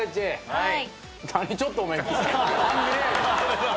はい。